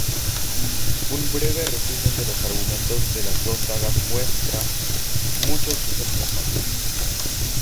Un breve resumen de los argumentos de las dos sagas muestra muchos ejemplos más.